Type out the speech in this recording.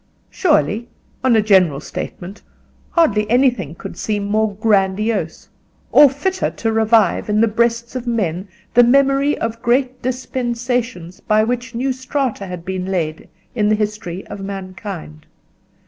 Surely, on a general statement, hardly anything could seem more grandiose, or fitter to revive in the breasts of men the memory of great dispensations by which new strata had been laid in the history of mankind.